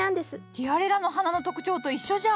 ティアレラの花の特徴と一緒じゃ。